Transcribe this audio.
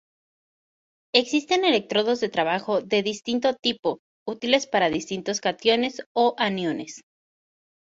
Existen electrodos de trabajo de distinto tipo útiles para distintos cationes o aniones.